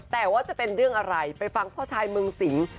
แต่ว่าจะเป็นเรื่องอะไรไปฟังพ่อชายเมืองสิง